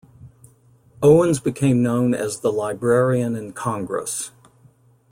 Owens became known as The Librarian In Congress.